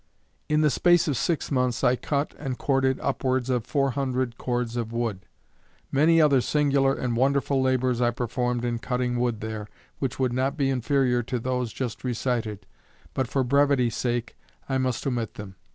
I the space of six months I cut and corded upwards of four hundred cords of wood. Many other singular and wonderful labors I performed in cutting wood there, which would not be inferior to those just recited, but for brevity sake I must omit them.